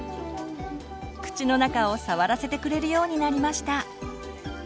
口の中を触らせてくれるようになりました。